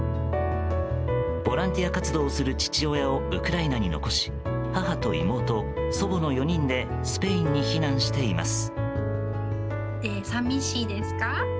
ボランティア活動をする父親をウクライナに残し母と妹、祖母の４人でスペインに避難しています。